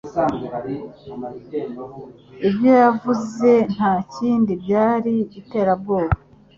Ibyo yavuze ntakindi byari iterabwoba